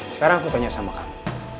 sekarang aku tanya sama kamu